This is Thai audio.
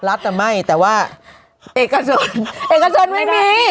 รัฐจะไม่แต่ว่าเอกส่วนไม่มี